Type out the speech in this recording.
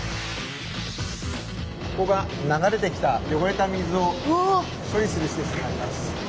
ここが流れてきた汚れた水を処理するしせつとなります。